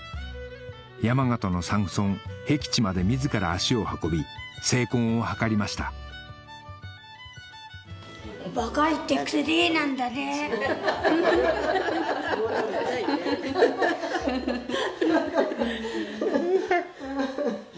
山形の山村へき地まで自ら足を運び成婚を図りましたハハハ。